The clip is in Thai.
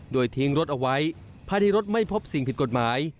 โดยทิ้งรถเอาไว้ภายในรถไม่พบสิ่งผิดกฎหมาย